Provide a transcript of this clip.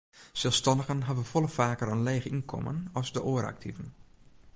Selsstannigen hawwe folle faker in leech ynkommen as de oare aktiven.